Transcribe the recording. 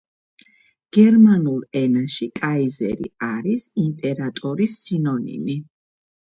გერმანულ ენაში კაიზერი არის იმპერატორის სინონიმი.